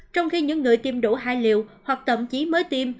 trong khi những người tiêm đủ hai liều hoặc tậm chí mới tiêm